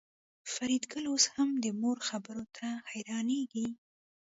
فریدګل اوس هم د مور خبرو ته حیرانېږي